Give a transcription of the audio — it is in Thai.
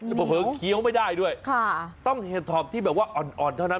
เผลอเคี้ยวไม่ได้ด้วยค่ะต้องเห็ดถอบที่แบบว่าอ่อนเท่านั้น